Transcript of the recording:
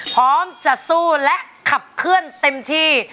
พร้อมจะสู้และขับเคลื่อนเต็มที่